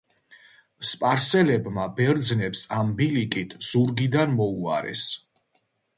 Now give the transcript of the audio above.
სპარსელებმა ბერძნებს ამ ბილიკით ზურგიდან მოუარეს.